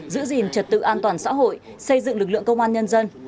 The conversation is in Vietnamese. giữ gìn trật tự an toàn xã hội xây dựng lực lượng công an nhân dân